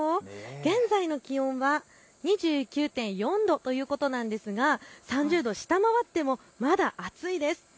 現在の気温は２９．４度ということなんですが３０度を下回ってもまだ暑いです。